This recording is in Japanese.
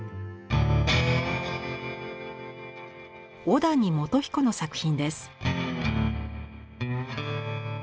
小谷元彦の作品です。